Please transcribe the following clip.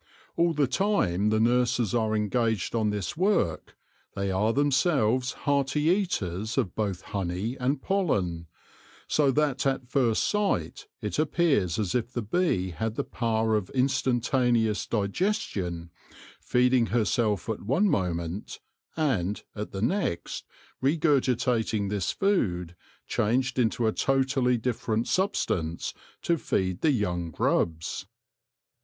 All the time the nurses are engaged on this work, they are themselves hearty eaters of both honey and pollen ; so that at first sight it appears as if the bee had the power of in stantaneous digestion, feeding herself at one moment, and, at the next, regurgitating this food, changed into a totally different substance, to feed the young grubs.